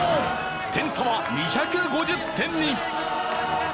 点差は２５０点に。